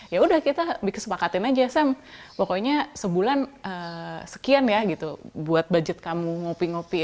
ya udah kita dikesepakatin aja saya pokoknya sebulan sekian ya gitu buat budget kamu ngopi ngopi